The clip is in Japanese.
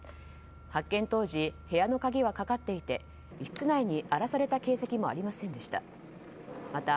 発見当時部屋の鍵はかかっていて室内に荒らされた形跡もありませんでした。